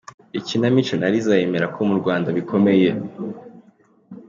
Ikinamico na Riza yemera ko mu Rwanda bikomeye.